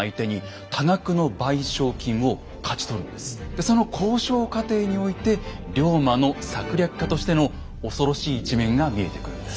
でその交渉過程において龍馬の策略家としての恐ろしい一面が見えてくるんです。